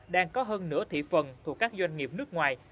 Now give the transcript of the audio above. đang có hơn nửa thị phần thuộc các doanh nghiệp nước ngoài